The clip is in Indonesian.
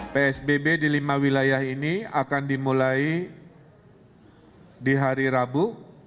psbb di lima wilayah ini akan dimulai di hari rabu